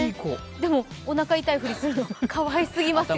でも、おなか痛いふりするのはかわいらしすぎますよ。